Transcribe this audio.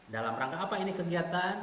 dalam rangka apa ini kegiatan